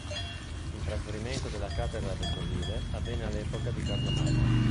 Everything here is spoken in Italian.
Il trasferimento della cattedra vescovile avvenne all'epoca di Carlo Magno.